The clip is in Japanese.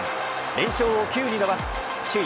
連勝を９に伸ばし首位